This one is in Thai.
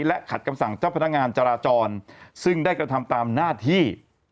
และขัดคำสั่งเจ้าพนักงานจราจรซึ่งได้กระทำตามหน้าที่